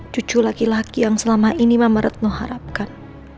cucu laki laki yang selama ini mama retno harapkan